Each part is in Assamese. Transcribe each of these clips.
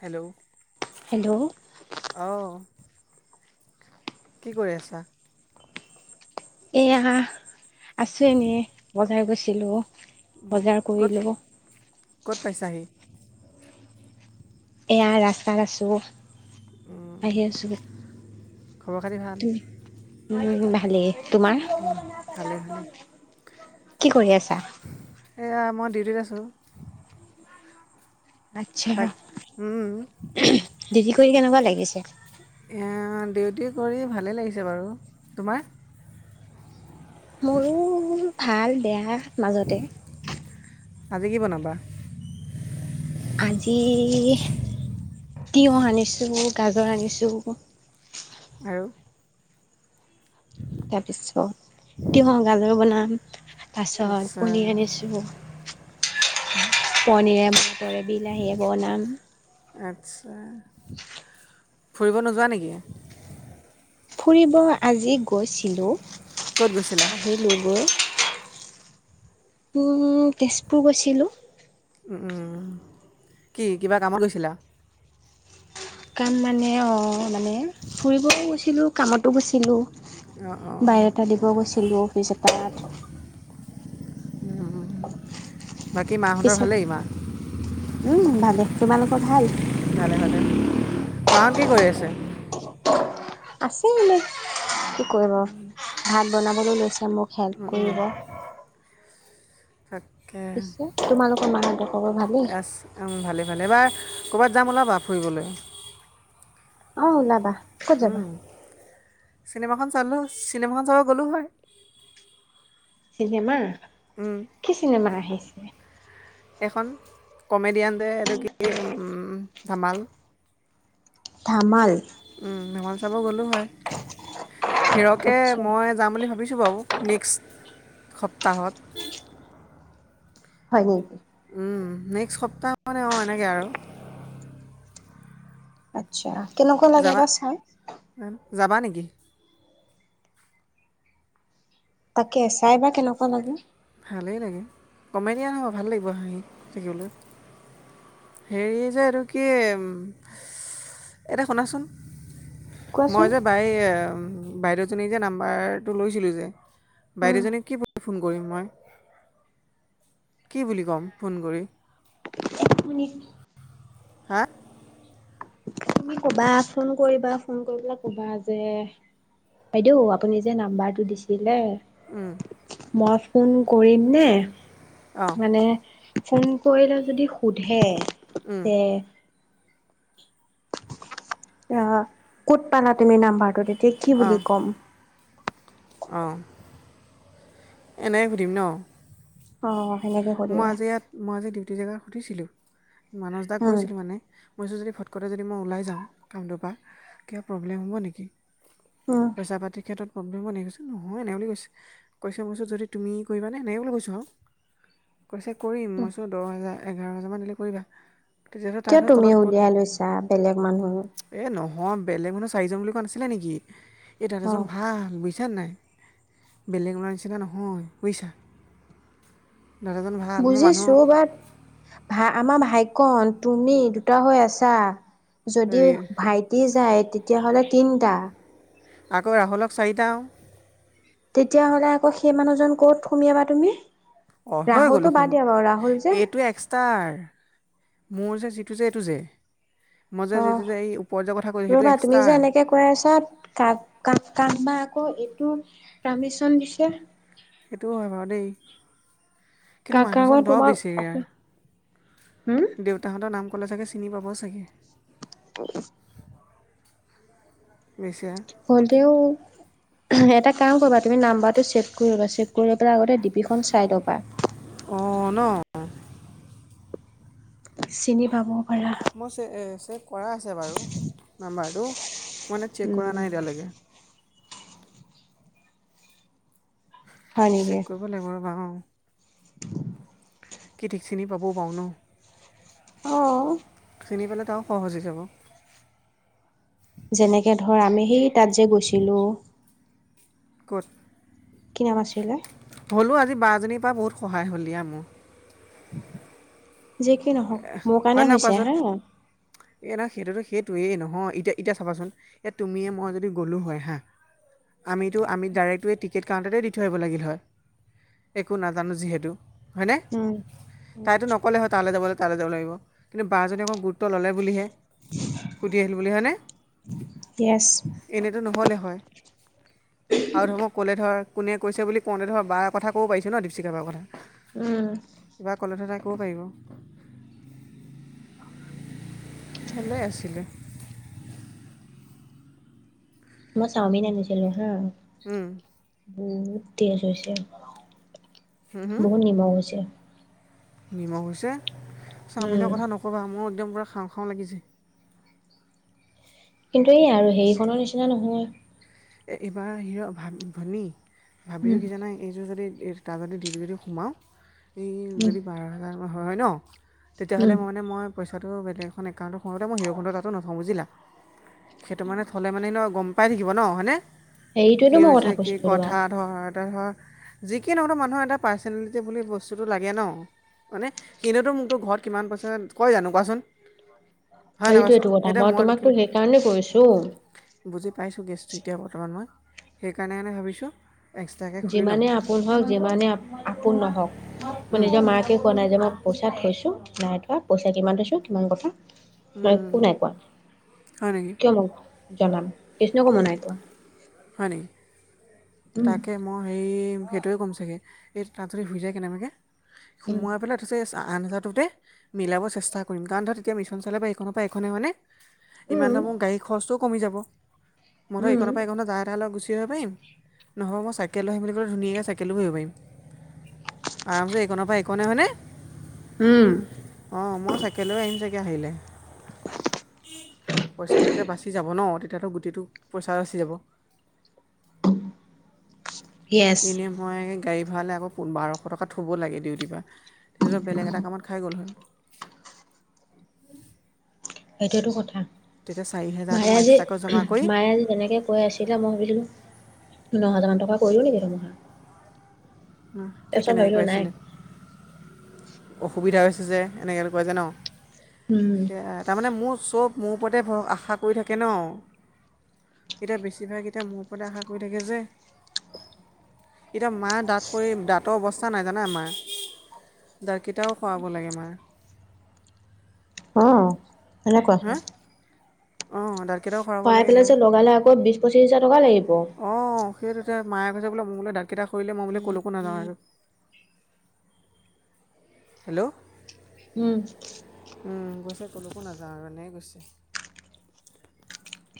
হেল্ল', হেল্ল' অ'। কি কৰি আছা? এয়া আছোঁ এনেই, বজাৰ গৈছিলোঁ। ক'ত, ক'ত পাইছাহি? এয়া ৰাস্তাত আছোঁ, আহি আছোঁ। খবৰ খাতি ভাল উম, ভালেই। তোমাৰ? ভালেই ভালেই কি কৰি আছা? এয়া মই ডিউটিত আছোঁ। তাক আচ্ছা। ডিউটী কৰি কেনেকুৱা লাগিছে? ডিউটি কৰি ভালেই লাগিছে বাৰু। তোমাৰ? মোৰো ভাল বেয়া মাজতে। আজি কি বনাবা? আজি তিয়ঁহ আনিছোঁ, গাজৰ আনিছোঁ। আৰু? তাৰপিছত তিঁয়হ গাজৰ বনাম তাৰপিছত আচ্ছা পনীৰ আনিছোঁ। হু। পনীৰে, মটৰে, বিলাহীয়ে বনাম। আচ্ছা। ফুৰিব নোযোৱা নেকি? ফুৰিব আজি গৈছিলোঁ। ক'ত গৈছিলা? [unintelligible] উম, তেজপুৰ গৈছিলোঁ। উম। কি, কিবা কামত গৈছিলা? কাম মানে অ' মানে ফুৰিবও গৈছিলোঁ, কামতো গৈছিলোঁ। অঁ অঁ বাইও ডাটা দিব গৈছিলোঁ অফিচ এটাত। বাকী মাহঁতৰ পিছত ভালেই মা? উম, ভালে। তোমালোকৰ ভাল? ভালে ভালে। মাহঁত কি কৰি আছে? আছে এনেই। কি কৰিব, ভাত বনাবলৈ লৈছে মোক হেল্প কৰিব। তাকে। পিছে তোমালোকৰ মা [unintelligible] এছ ভালে ভালে এইবাৰ ক'ৰবাত যাম ওলাবা ফুৰিবলৈ, অ ওলাবা ক'ত যাবা? উম, চিনেমাখন চালো চিনেমাখন চাব গ'লো হয়। চিনেমা উম কি চিনেমা আহিছে? এখন কমেডিয়ানটোৱে এইটো কি ধামাল, ধামাল ধামাল চাব গ'লো হয়, হিৰকে আচ্ছা মই যাম বুলি ভাবিছোঁ বাৰু নেক্সট সপ্তাহত, হয় নেকি, উম নেক্সট সপ্তাহ মানে অ এনেকৈ আৰু, আচ্ছা কেনেকুৱা লাগে যাবা বা চাই, যাবা নেকি? তাকে চাই বা কেনেকুৱা লাগে। ভালেই লাগে কমেডিয়ান হ'ব ভাল লাগিব হাঁহি থাকিবলৈ। হেৰি যে এইটো কি। এটা শুনাচোন, মই কোৱাচোন যে বাই বাইদেউজনী যে নাম্বাৰটো লৈছিলোঁ যে, উম বাইদেউজনীক কি বুলি ফোন কৰিম মই, কি বুলি ক'ম ফোন কৰি, নি হা তুমি কবা ফোন কৰিবা ফোন কৰি পেলাই কবা যে, বাইদেউ আপুনি যে নাম্বাৰটো দিছিলে। উম মই ফোন কৰিম নে, অঁ মানে ফোন কৰিলে যদি সোধে উম, যে, অ ক'ত পালা তুমি নাম্বাৰটো, তেতিয়া কি বুলি অঁ ক'ম। অঁ এনেই সুধিম ন। অ সেনেকে মই সুধিবা আজি ইয়াত মই আজি ডিউটি জেগাত সুধিছিলো মানস দাক উম কৈছিলো মানে, মই যদি ফটকটে যদি মই ওলাই যাওঁ কামটোৰ পৰা কিবা প্ৰব্লেম হ'ব নেকি, উম পইচা পাতিৰ ক্ষেত্ৰত। প্ৰব্লেম হব নেকি কৈছো, নহয় এনেও বুলি কৈছে কৈছে মই কৈছো যদি তুমি কৰিবানে এনে বুলি কৈছো আৰু, কৈছে কৰিম মই চো দহ হাজাৰ এঘাৰ হাজাৰ মান দিলে কৰিবা। তেতিয়াতো কিয় তাহাঁতৰ তুমি তলত কৈ উলিয়াই লৈছা বেলেগ মানুহ, এ নহয় বেলেগ মানুহ চাৰিজন বুলি কোৱা নাছিলে নেকি এই তাত অ এজন ভাল, বুজিছা নাই বেলেগ মানোহ নিচিনা নহয় বুজিছা, দাদাজন ভাল। মোৰ মানুহ বুজিছো বাট, ভাই আমাৰ ভাইকন তুমি দুটা হৈ আছা যদি হেৰি ভাইট, টি যায় তেতিয়াহ'লে তিনটা। আকৌ ৰাহুলক চাৰিটাও, তেতিয়াহ'লে আকৌ সেই মানুহজন ক'ত সুমিয়াবা তুমি। অ হৈ ৰাহুলটো গ'লো বাদ শুন দিয়া বাৰু ৰাহুল যে এইটো এক তাৰ মোৰ যে যিটো যে এইটো যে। মই যে অ' যেতিয়া যে, এই উপৰ্যৰ কথা কৈছিলো সেইটো এক্সট্ৰা। পচাত কাক কাম বা আকৌ এইটো পাৰ্মিশন দিছে। [unintelligible] সেইটোও হয় বাৰু দেই! কিন্তু কাকাবা মানুহজন দহ তোমাক হম বেছেৰেয়ীৰ দেউ তাহাঁতৰ, নাম ক'লে চাগে চিনি পাব চাগৈ! [unintelligible] বেছেআ হলেও, এটা কাম কৰিবা, তুমি নাম্বাৰটো চে'ভ কৰি ল'বা, চে'ভ কৰি লৈ পেলাই আগতে ডি পিখন চাই ল'বা! অ', ন, চিনি পাবও পাৰা। মই চে চেভ কৰা আছে বাৰু নাম্বাৰটো মই মানে চেক কৰা উম নাই এতিয়ালৈকে! হয় নেকি? চেক কৰিব লাগিব ৰ'বা! অ', কি ঠিক, চিনি পাবও পাৰোঁ ন। অঁ! চিনি পালেতো আৰু সহজ হৈ যাব। যেনেকে ধৰ, আমি সেই তাত যে গৈছিলোঁ। ক'ত? কি নাম আছিলে? হ'লো আজি বাজনীৰ পৰা বহুত সহায় হ'ল, দিয়া মোৰ। যি কি নহওক মোৰ হয় কাৰণে নহয় হৈছে কোৱাচোন হা। এই ন সেইটোতো সেইটোৱেই নহয়, এতিয়া, এতিয়া চাবাচোন এয়া তুমিয়ে মই যদি গ'লোঁ হয় হাঁ। আমিতো আমি ডাইৰেক্ট গৈ এই টিকেট কাউন্টাৰতে দি থৈ আহিব লাগিল হয়! একো নাজানো যিহেতু! হয়নে? উম তাইতো নক'লে হয় তালৈ যাবলৈ! তালৈ যাব লাগিব, কিন্তু বা জনীয়ে আকৌ গুৰুত্ব ল'লে বুলিহে। সুধি আহিলোঁ বুলি হয়নে! ইয়েছ! এনেইতো নহ'লে হয়! আৰু ধৰ ক'লে ধৰ কোনে কৈছে বুলি কওঁতে ধৰ বাৰ কব পাৰিছোঁ ন, দীপশিখা বাৰ কথা! উম! কিবা ক'লে ধৰ, তাই ক'ব পাৰিব! ভালেই আছিলে। মই চাউমিন আনিছিলোঁ! হা উম! বহুত টেষ্ট হৈছে! বহুত নিমখ হৈছে। নিমখ হৈছে, উম, চাওমিনৰ কথা নক'বা, মোৰ একদম পূৰা খাওঁ, খাওঁ লাগিছে। কিন্তু এই আৰু হেৰিখনৰ নিচিনা নহয়। এ এইবাৰ হিৰ' ভাব ভনী ভাবিলোঁ, উম, কি জানাই এইযোৰ যদি তাৰ যদি ডিউটি যদি সোমাওঁ, এই যদি বাৰ হেজাৰ হয়, হয় ন উম, তেতিয়াহ'লে মই মানে মইচা বলেগ এউণ্টতোওঁ তে, ইিৰোণ্ড তাতো নথওঁ বুজিলা। সেইটো মানে থ'লে মানে ন গম পাই থাকিব ন হয়নে কি হেৰিটোৱেতো মই হৈছে, কথা কি কৈছিলোঁ তোমাক। কথা। ধৰ এটা ধৰ যি কি নহওঁক মানুহৰ এটা পাৰ্চনেলিটি বুলি বস্তুটো লাগে ন? মানে সিনেতো মোকতো ঘৰত কিমান পইচা, কয় জানো? কোৱাচোন! হয় নহয় কোৱাচোন সেইটোয়েতো কথা! এতিয়া মই তোমাকতো কিম- সেইকাৰণে কৈ আছোঁ! বুজি পাইছোঁ কেছটো এতিয়া বৰ্তমান মই, সেইকাৰণে-কাৰণে ভাবিছোঁ এক্সট্ৰাকৈ খুলি ল'ম যিমানে আপোন হওক, যিমানে আপোন নহওক, মই নিজৰ মাকে কোৱা নাই, যে মই পইচা থৈছোঁ, নাই থোৱা পইচা কিমান থৈছোঁ, কিমান কথা মই উম, একো নাই কোৱা! হয় নেকি কিয় মই জনাম! কৃষ্ণকো মই নাই কোৱা! হয় নেকি? উম, তাকে মই হে' সেইটোৱে ক'ম চাগে, এই তাত যদি শুই যায় কেনেবাকে, উম, সোমোৱাই পেলাই পিছে আন হাজাৰটোতে মিলাব চেষ্টা কৰিম কাৰণ ধৰক এতিয়া মিছন চলে বা এইখনৰ পৰা এইখনেই মানে ইমান উম, ধৰক মোৰ গাড়ীৰ খৰচটোও কমি যাব মই ধৰক উম, এইখনৰ পৰা এইখনত তাৰ লগত গুচি আহিব পাৰিম, নহ'ব মই চাইকেলৈ আহিম বুলি ক'লে ধুনীয়াকৈ চাইকেলো আহিব পাৰিম। আৰামছে এইকনৰ পা এইকনেই হয়নে? উম' অ' মই চাইকেল লৈ আহিম চাগে আহিলে। পইচাটো তেতিয়া বাচি যাব ন', তেতিয়াতো গুটেটো, পইচা বাচি যাব। য়েছ। এলিয়ম, মই গাড়ী ভাড়ালে আকৌ বাৰশ টকা থব লাগে ডিউটিৰ পৰা, এতিয়াতো বেলেগ এটা কামত খাই গ'ল হয়'। সেইটোতো কথা, তেতিয়া চাৰি হেজাৰটো মই এক্সট্ৰাকৈ জমা কৰি মাৰাজে-মাৰাজে তেনেকে কৈ আছিলে মই ভাবিলো, নহ হাজাৰ মান টকা কৰিলো নেকি? [inaudible] কি তাৰপিছত কেনেকৈ কৈ ভাবিলোঁ নাই আছিলে? অসুবিধা হৈছে যে, এনেকৈ বুলি কৈ দিলে ন'। উম সেয়া তাৰমানে মোৰ চব মোৰ ওপৰতে ভৰ-আশা কৰি থাকে ন'। এতিয়া বেছিভাগ এতিয়া মোৰ ওপৰতে আশা কৰি থাকে যে। এতিয়া মা দাঁত সৰি, দাঁতৰ অৱস্থা নাই জানে মাৰ? দাঁতকেইটাও সৰাব লাগে মাৰ। অ' সেনেকুৱা। অ' দাঁত সৰাই পেলাই যে লগালে আকৌ বিশ পঁচিশ হাজাৰ টকা লাগিব। অঁ সেইটোতে মায়ে কৈছে বুলে মোলে দাঁতকেইটা সৰিলে মই বুলে কলৈকো নাযাও আৰু। হেল্ল' উম' উম', কৈছে কলৈকো নাযাওঁ আৰু এনেকে কৈছে।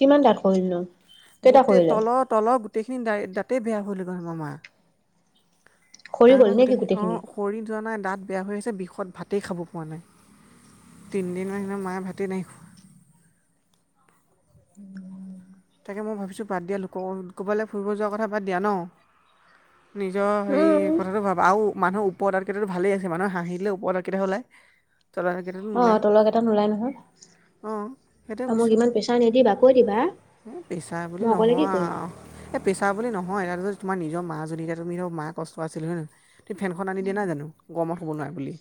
কিমান দাত সৰিল ন'? গোটেই তলৰ-তলৰ গোটেইখিনি দা-দাতে বেয়া হল আমাৰ মা। সৰি গ'ল নেকি গোটেইখিনি? সৰি যোৱা নাই! দাঁত বেয়া হৈ আছে বিষত ভাতেই খাব পোৱা নাই। তিনিদিন হৈ গ'ল মায়ে ভাতে নাইখোৱা। তাকে মই ভাবিছোঁ বাদ দিয়া লোক, কৰবালৈ ফুৰিব যোৱাৰ কথা বাদ দিয়া ন? নিজৰ হেৰি কথাটো ভাবা আৰু মানুহ ওপৰৰ দাঁত কেইটাটো ভালেই আছে, মানুহে হাঁহিলে ওপৰৰ দাঁতকেইটাহে ওলায়। [unintelligible] অ নোলায় তলৰকেইটো নোলাই নহয়। অঁ সেইটোৱে আৰু মাক ইমান প্ৰেছাৰ নেদিবা কৈ দিবা। প্ৰেছাৰ বুলি মই অকলে কি নহয় কৰিম আৰু এ প্ৰেছাৰ বুলি নহয়, তাত যদি তোমাৰ নিজৰ মা যদি এতিয়া তুমি ধৰক মা কষ্ট আছিল হয়নে? সেই ফেনখন আনি দিয়া নাই জানো, গৰমত হোব নোৱাৰে বুলি,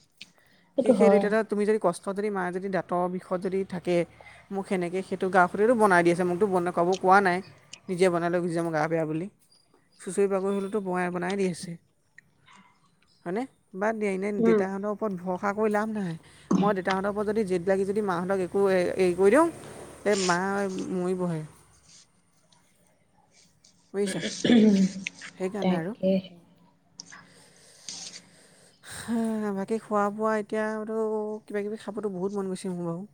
সি সেইটো সেই হয়। দুইটাত তুমি যদি কষ্টত যদি মায়ে যদি দাঁতৰ বিষত যদি থাকে। মোক সেনেকে সেইটো গা সুতেটো বনাই দি আছে, মোকতো বন ক'ব কোৱা নাই, নিজে বনাই লৈ গুছি যাম গা বেয়া বুলি। চুঁচৰি বাগৰি হ'লেতো বনাই বনাই দি আছে হয়নে? বাদদে এনেই উম। দেউতাহঁতক ওপৰত ভৰষা কৰি লাভ নাই, মই দেউাহঁতৰ ওপৰত জেদ লাগি যদি মাহঁতক একো হেৰি কৰি দিওঁ এই মা মৰিবহে। বুজিছা সেইকাৰণে আৰু তাকে বাকী খোৱা বোৱা এতিয়াতো কিবাকিবি খাবতো বহুত মন গৈছে মোৰ বাৰু। [inaudible]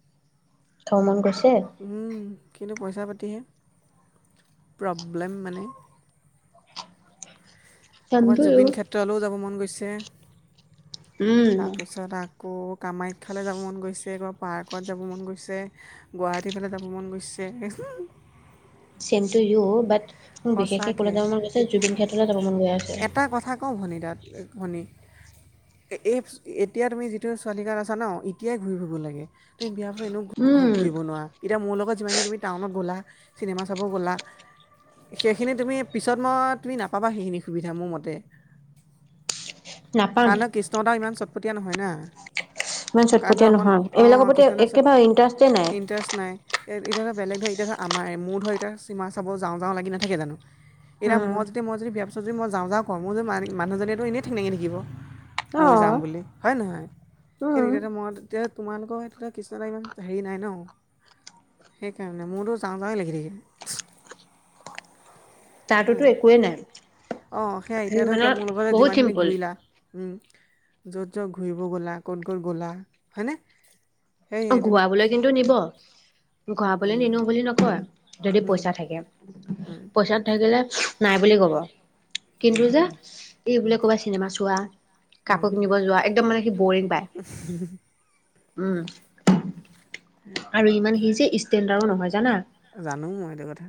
খাব মন গৈছে। উম, কিন্তু পইচা পাতিহে প্ৰব্লেম মানে। যাম টো ক'ৰবাত জুবিন ক্ষেত্ৰলৈও যাব মন গৈছে। উম। তাৰপিছত আকৌ কামাখ্যালে যাব মন গৈছে, পাৰ্কত যাব মন গৈছে। গুৱাহাটীৰ ফালে যাব মন গৈছে। ছেম টু ইউ, বাট মোৰ বিশেষকে কলৈ সঁচাকৈ যাব মন গৈছে, জুবিন ক্ষেত্ৰলৈ যাব মন গৈ আছে। এটা কথা ভনী তাত ঘনী এতিয়া তুমি যিটো ছোৱালী [unintelligible] আছা ন' এতিয়াই ঘূৰি ফুৰিব লাগে, তুমি বিয়া এনেও ঘূ উম, ঘূৰিব নোৱাৰা, এতিয়া মোৰ লগত যিমানখিনি তুমি টাউনত গ'লা, চিনেমা চাব গ'লা সেইখিনি তুমি পিছত মই তুমি নাপাবা সেইখিনি সুবিধা মোৰ মতে। নাপাম কাৰণ ন' কৃষ্ণ দাও ইমান চটপটীয়া নহয় না। ইমান কাৰণ ধৰ চটপটীয়া অকণ নহয় এইবিলাকৰ অ', প্ৰতি কৃষ্ণ দা একেবাৰে ইণ্টাৰেষ্টে নাই। ইণ্টাৰেষ্ট নাই। এতিয়া ধৰ বেলেগ ধৰ, এতিয়া ধৰ আমাৰে, মোৰ ধৰ এতিয়া চিনেমা চাব যাওঁ যাওঁ লাগি নাথাকে জানো। এতিয়া উম, মই যদি, মই যদি বিয়া পিছত যদি মই যাওঁ যাওঁ কওঁ, মোৰ যদি মানুহজনীয়েতো এনেই ঠেং ডাঙি থাকিব। ম‌য়ো যাম অ', বুলি হয় নহয়? সেই উম, তেতিয়তে মই তেতিয়া তোমালোকৰ তাতে কৃষ্ণ এটা ইমান হেৰি নাই ন। সেইকাৰণে মোৰতো যাওঁ যাওঁ লাগি থাকে। তাৰতোতো অ', একোৱেই নাই সেয়া সি এতিয়া ধৰ মানে এতিয়া মোৰ লগত যে বহুত যিমানখিনি চিম্পুল। ঘূৰিলা। উম, য'ত য'ত ঘূৰিব গ'লা, ক'ত ক'ত গ'লা হয়নে? অ', সেইখিনিতো ঘূৰাবলৈ কিন্তু নিব। ঘূৰাবলৈ উম, নিনো বুলি নকয়, যদি উম, পইচা থাকে, উম, পইচাত থাকিলে নাই বুলি কব, কিন্তু যে উম। এই বোলে ক'বাত চিনেমা চোৱা কাপোৰ কিনিব যোৱা একদম মানে সি বৰিং পায়, উম, উম, আৰু ইমান সি যে ষ্টেণ্ডাৰো নহয় জানা? জানো মই এইটো কথা।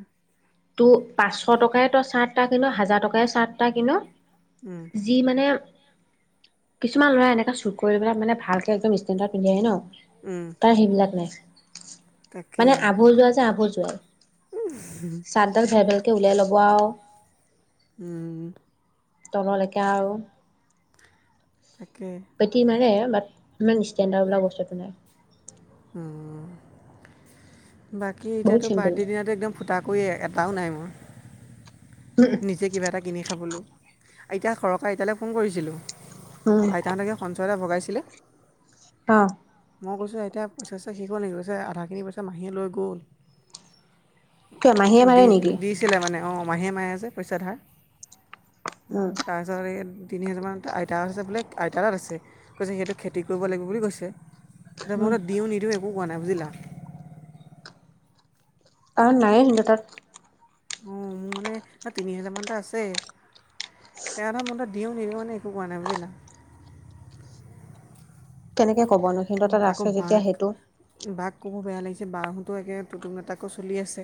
ত' পাঁচশ টকাই তই চাৰ্ট এটা কিন' হাজাৰ টকাই চাৰ্ট এটা কিন' উম, যি মানে কিছুমান ল'ৰা এনেকে চুট কৰি পেলাই মানে ভালকে একদম ষ্টেন্ডাৰ্ড পিন্ধি আহে ন'। উম, অ', সেইবিলাক নাই। তাকে, মানে আভজোৱা উম, চাৰ্ট ডাল ভেভেলকে উলাই ল'ব আৰু। উম, তললৈকে আৰু। তাকে। বেটি ইমানে বাট ইমান ষ্টেণ্ডাৰ্ড বোলা বস্তুটো নাই। উম উম, বাকী বহুত এতিয়াতো চিম্পুল বাৰ্থডে দিনাটো একদম। ফুটা কৰি এটাও নাই মোৰ। যে কিবা এটা কিনি খাবলৈ আইতা সৰকা আইতালৈ ফোন কৰিছিলোঁ। উম আইতাহঁতকে সঞ্চয় এটা ভগাইছিলে। অঁ, মই কৈছো আইতা পইচা চইচা শেষ হ'ল নেকি কৈছে আধাখিনি পইচা মাহীয়ে লৈ গ'ল। কিয় মাহীয়ে মাৰে দি নেকি দিছিলে মানে অঁ মাহীয়ে মাৰে যে পইচা ধাৰ। উম। তাৰপিছত এই তিনি হাজাৰমান আইতাৰ আছে বেলেগ আইতাৰ ওচৰত আছে কৈছে সেইটো খেতি কৰিব লাগিব বুলি কৈছে। দ উম মইতো দিওঁ নিদিওঁ একো কোৱা নাই বুজিলা। আৰু নায়ে কিন্তু তাত। অঁ মোৰ মানে তিনি হেজাৰ মান এটা আছে। তেওঁ এটা মনটোত দিওঁ নিদিওঁ মানে একো কোৱা নাই বুজিলা। কেনেকে ক'ব নো সিহঁতৰ উম, তাত আকৌ আছে যেতিয়া বাক সেইটো। বাক ক'ব বেয়া লাগিছে বাঁহোতো একে টুতুং মে তাকে চলি আছে।